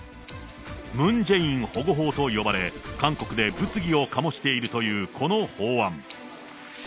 ムン・ジェイン保護法と呼ばれ、韓国で物議を醸しているというこの法案。